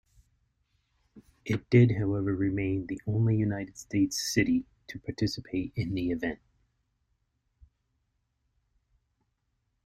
It did, however, remain the only United States city to participate in the event.